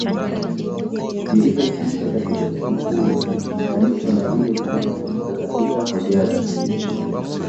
vilivyotumika katika Kitikuu vikilinganishwa na vile vilivyotumika katika hojaji